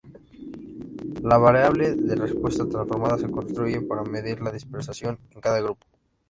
La variable de respuesta transformada se construye para medir la dispersión en cada grupo.